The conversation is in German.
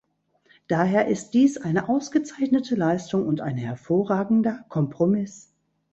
Daher ist dies eine ausgezeichnete Leistung und ein hervorragender Kompromiss.